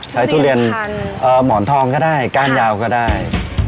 ทุเรียนหมอนทองก็ได้ก้านยาวก็ได้